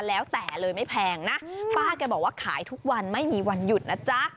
แล้วแต่เลยไม่แพงนะป้าแกบอกว่าขายทุกวันไม่มีวันหยุดนะจ๊ะ